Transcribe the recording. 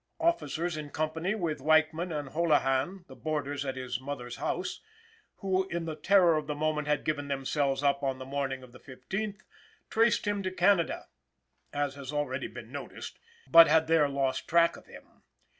Officers in company with Weichman and Holahan, boarders at his mother's house, who in the terror of the moment had given themselves up on the morning of the fifteenth, traced him to Canada, as has already been noticed, but had there lost track of him.